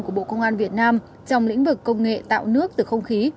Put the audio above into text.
của bộ công an việt nam trong lĩnh vực công nghệ tạo nước từ không khí